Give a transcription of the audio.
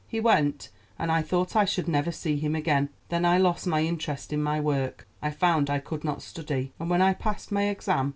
He went, and I thought I should never see him again. Then I lost my interest in my work. I found I could not study; and when I passed my exam.